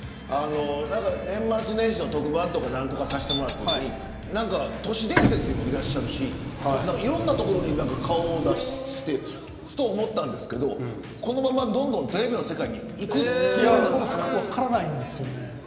年末年始の特番とか何個かさせてもらったときに都市伝説にもいらっしゃるしいろいろなところに顔を出していてふと思ったんですけどこのまま、どんどんテレビの世界に分からないんですよね。